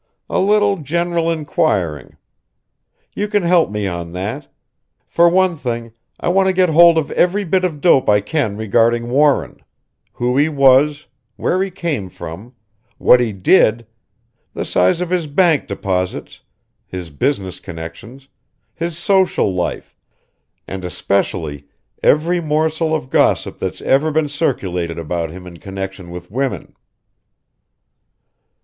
"A little general inquiring. You can help me on that. For one thing, I want to get hold of every bit of dope I can regarding Warren who he was, where he came from, what he did, the size of his bank deposits, his business connections, his social life, and especially every morsel of gossip that's ever been circulated about him in connection with women."